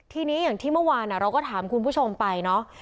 ทีนี้อย่างที่เมื่อวานเราก็ถามคุณผู้ชมไปเนาะ